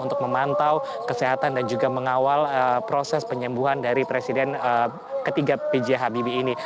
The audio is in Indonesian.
untuk memantau kesehatan dan juga mengawal proses penyembuhan dari presiden ketiga bj habibi ini